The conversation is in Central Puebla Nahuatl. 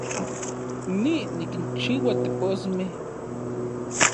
Ni, nikinchiua teposmej